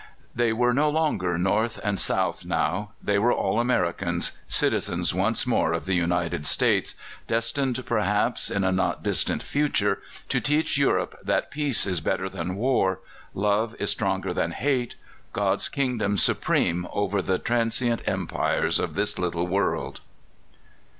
They were no longer North and South now: they were all Americans citizens once more of the United States, destined, perhaps, in a not distant future to teach Europe that peace is better than war, love is stronger than hate, God's kingdom supreme over the transient empires of this little world.